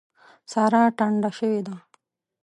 سارا ټنډه شوې ده.